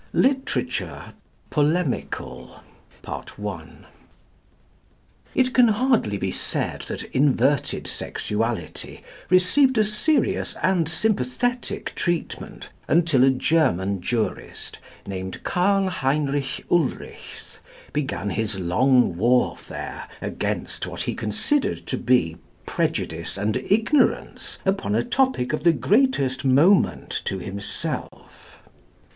LITERATURE POLEMICAL. It can hardly be said that inverted sexuality received a serious and sympathetic treatment until a German jurist, named Karl Heinrich Ulrichs, began his long warfare against what he considered to be prejudice and ignorance upon a topic of the greatest moment to himself.